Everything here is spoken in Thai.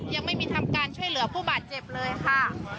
ยังไม่มีทำการช่วยเหลือผู้บาดเจ็บเลยค่ะ